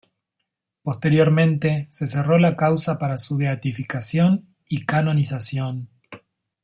Posteriormente se cerró la causa para su beatificación y canonización.